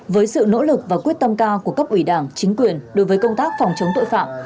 với sự nỗ lực và quyết tâm cao của cấp ủy đảng chính quyền đối với công tác phòng chống tội phạm